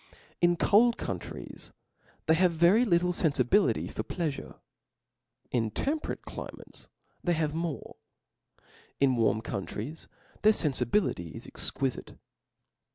^ In cold countries, they have very little fenfibi llty for pleafurc j in temperate countries, they have more j in warm countries, their fenfibility is cxqui fite.